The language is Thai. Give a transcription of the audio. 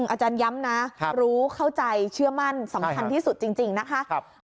อาจารย์ย้ำนะรู้เข้าใจเชื่อมั่นสำคัญที่สุดจริงนะคะ